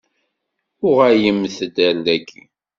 Uɣalemt-d ar daki.